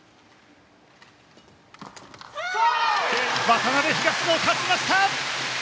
渡辺、東野勝ちました！